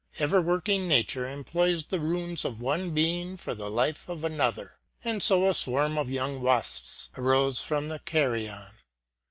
Ever working Nature employs the ruins of one being for the life of another. And so a swarm of young wasps arose from the carrion.